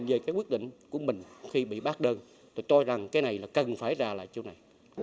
về cái quyết định của mình khi bị bác đơn tôi cho rằng cái này là cần phải ra lại chỗ này